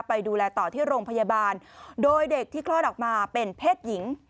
ไปดูแลต่อที่โรงพยาบาลโดยเด็กที่คลอดออกมาเป็นเพศหญิง